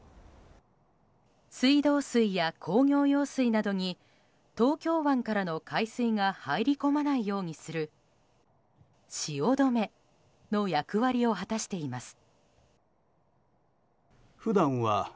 水道水や工業用水などに東京湾からの海水が入り込まないようにする潮止めの役割を果たしています。